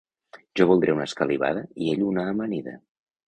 Jo voldré una escalivada i ell una amanida.